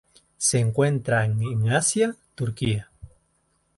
Se encuentran en Asia: Turquía.